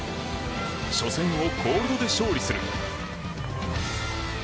初戦をコールドで勝利する。